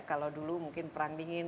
kalau dulu mungkin perang dingin